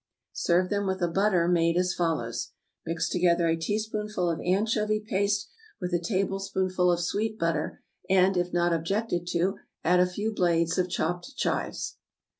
Serve them with a butter made as follows: Mix together a teaspoonful of anchovy paste with a tablespoonful of sweet butter, and, if not objected to, add a few blades of chopped chives.